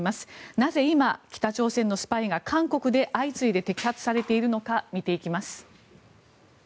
なぜ今、北朝鮮のスパイが韓国で相次いで摘発されているのか見ていきます。